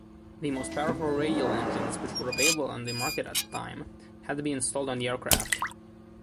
The most powerful radial engines which were available on the market at that time had to be installed on the aircraft.